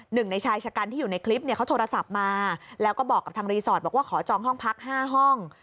หนึ่งในชายชะกันที่อยู่ในคลิปเนี่ยเขาโทรศัพท์มาแล้วก็บอกกับทางรีสอร์ทบอกว่าขอจองห้องพัก๕ห้อง